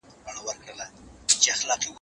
زه اوبه نه ورکوم!.